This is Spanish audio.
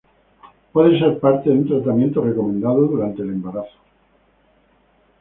Puede ser parte de un tratamiento recomendado durante el embarazo.